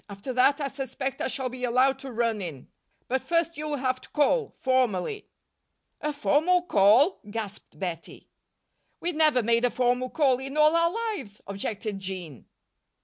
After that, I suspect I shall be allowed to run in. But first you'll have to call, formally." "A formal call!" gasped Bettie. "We never made a formal call in all our lives," objected Jean.